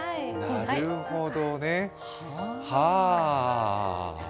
なるほど。